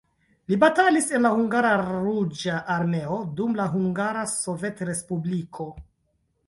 Li batalis en la hungara Ruĝa Armeo dum la Hungara sovetrespubliko.